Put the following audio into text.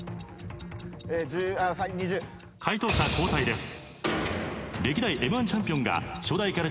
解答者交代です。